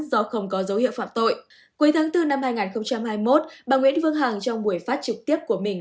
do không có dấu hiệu phạm tội cuối tháng bốn năm hai nghìn hai mươi một bà nguyễn vương hằng trong buổi phát trực tiếp của mình